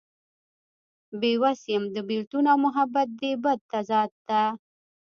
بې وس يم د بيلتون او محبت دې بد تضاد ته